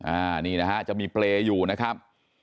อันนี้นะฮะจะมีเปรย์อยู่นะครับ